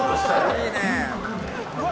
いいね。